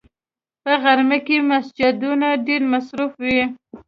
په غرمه کې مسجدونه ډېر مصروف وي